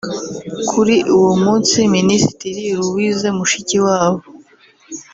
Kuri uwo munsi Minisitiri Lousie Mushikiwabo